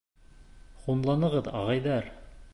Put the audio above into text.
Һуңланығыҙ, ағайҙар!